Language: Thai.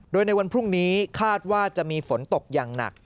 โดยในวันพรุ่งนี้คาดว่าจะมีฝนตกอย่างหนัก